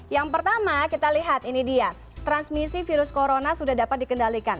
yang pertama kita lihat ini dia transmisi virus corona sudah dapat dikendalikan